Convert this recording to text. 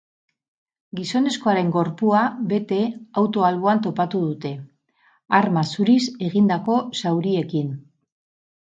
Gizonezkoaren gorpua bete auto alboan topatu dute, arma zuriz egindako zauriekin.